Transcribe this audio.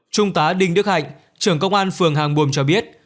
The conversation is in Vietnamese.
trung tá đình đức hạnh trưởng công an phường hàng buồm cho biết